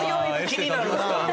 気になるなあ。